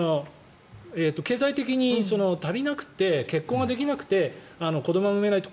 経済的に足りなくて結婚できなくて子どもが産めないと。